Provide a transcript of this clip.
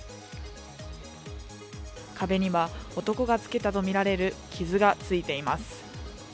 壁には男がつけたとみられる傷がついています。